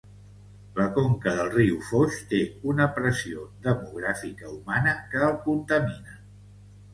La conca del riu Foix té una pressió demogràfica humana que el contamina.